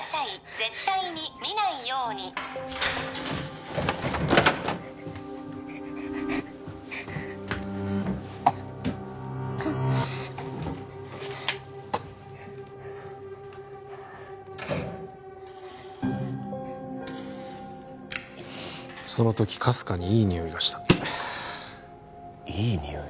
絶対に見ないようにその時かすかにいいにおいがしたっていいにおい？